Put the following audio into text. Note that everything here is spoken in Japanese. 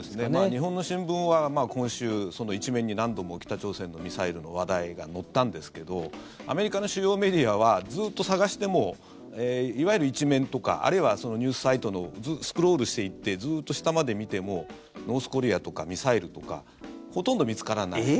日本の新聞は今週１面に何度も北朝鮮のミサイルの話題が載ったんですけどアメリカの主要メディアはずっと探してもいわゆる１面とかあるいはニュースサイトのスクロールしていってずっと下まで見てもノースコリアとかミサイルとかほとんど見つからない。